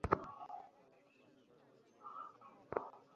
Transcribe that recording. এটি অব্যাহত থাকতে পারে এবং পার্শ্ববর্তী অঞ্চলে বিস্তার লাভ করতে পারে।